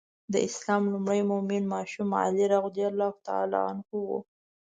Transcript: د اسلام لومړی مؤمن ماشوم علي رض و.